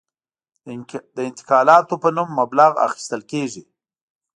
د انتقالاتو په نوم مبلغ اخیستل کېږي.